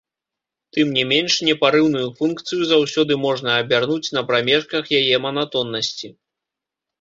Тым не менш, непарыўную функцыю заўсёды можна абярнуць на прамежках яе манатоннасці.